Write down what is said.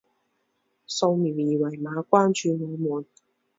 扫描二维码关注我们。